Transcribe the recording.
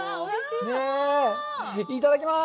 いただきます。